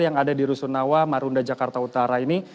yang ada di rusunawa marunda jakarta utara ini